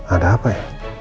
ada apa ya